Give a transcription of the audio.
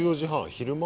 昼間？